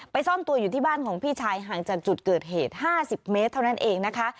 ซ่อนตัวอยู่ที่บ้านของพี่ชายห่างจากจุดเกิดเหตุ๕๐เมตรเท่านั้นเองนะคะ